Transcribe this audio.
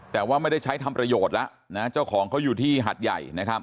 แต่ว่าไม่ได้ใช้ทำประโยชน์แล้วนะเจ้าของเขาอยู่ที่หัดใหญ่นะครับ